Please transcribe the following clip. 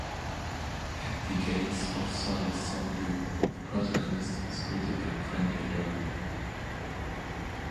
At the gates of Solla Sollew, the protagonist is greeted by a friendly doorman.